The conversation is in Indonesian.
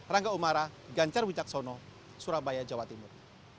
rangga umara ganjar wijaksono surabaya jawa timur